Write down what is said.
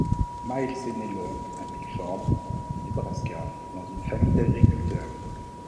Mills est né le à Milford, au Nebraska, dans une famille d'agriculteurs.